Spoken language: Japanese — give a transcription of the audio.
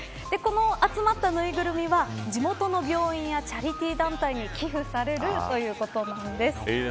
この集まったぬいぐるみは地元の病院やチャリティー団体に寄付されるということなんです。